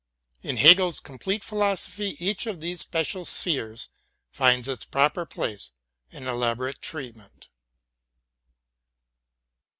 In Hegel's complete philosophy each of these special spheres finds its proper place and elaborate treatment.